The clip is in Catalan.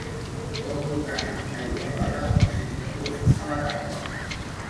Com puc anar a Igualada el cinc d'agost a la tarda?